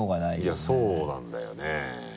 いやそうなんだよね。